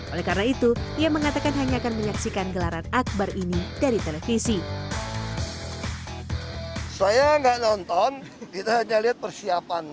oleh karena itu ia mengatakan hanya akan menyaksikan gelaran akbar ini dari televisi